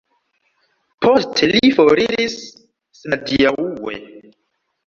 Poste li foriris senadiaŭe.